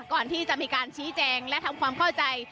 ก่อนที่จะมีการชี้แจงและทำความเข้าใจ